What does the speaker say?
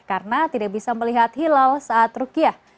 karena tidak bisa melihat hilal saat rukyah